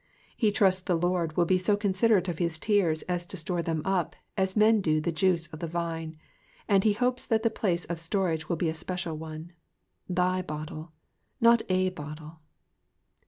He trusts that the Lord will be so considerate of his tears as to store them up as men do the juice of the vine, and he hopes that the place of storage will be a special one —*' thy bottle,^* not a bottle.